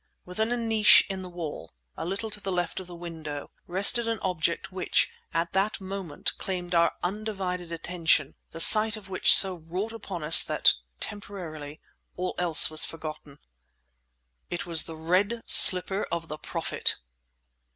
Within a niche in the wall, a little to the left of the window, rested an object which, at that moment, claimed our undivided attention the sight of which so wrought upon us that temporarily all else was forgotten. It was the red slipper of the Prophet!